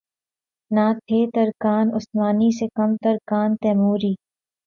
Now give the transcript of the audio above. نہ تھے ترکان عثمانی سے کم ترکان تیموری